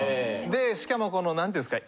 でしかもなんていうんですか。